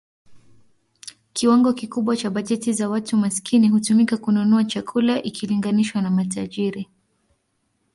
Kiwango kikubwa cha bajeti za watu maskini hutumika kununua chakula ikilinganishwa na matajiri.